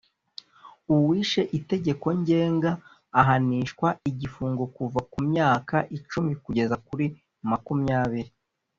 Uwishe itegeko ngenga ahanishwa igifungo kuva ku myaka icumi kugeza kuri makumyabiri